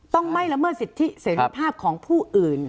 ต้องไม่ละเมิดสิทธิเสรีภาพของผู้อื่น